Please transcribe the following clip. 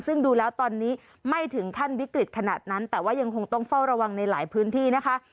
ซึ่งดูแล้วตอนนี้ไม่ถึงขั้นวิกฤตขนาดนั้นแต่ว่ายังคงต้องเฝ้าระวังในหลายพื้นที่นะคะ